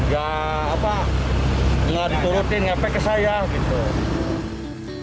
ya apa gak diturutin ya peke saya gitu